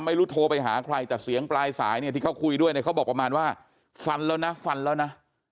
โทรไปหาใครแต่เสียงปลายสายเนี่ยที่เขาคุยด้วยเนี่ยเขาบอกประมาณว่าฟันแล้วนะฟันแล้วนะ